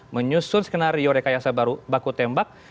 menyusun skenario rekayasa baku tembak